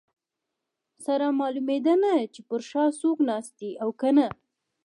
سره معلومېده نه چې پر شا څوک ناست دي او که نه.